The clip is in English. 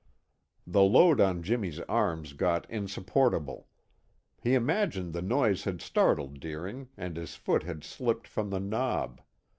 The load on Jimmy's arms got insupportable. He imagined the noise had startled Deering and his foot had slipped from the knob.